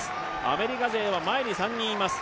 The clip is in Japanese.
アメリカ勢は前に３人います。